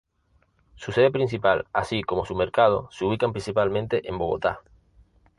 Su sede principal, así como su mercado, se ubican principalmente en Bogotá.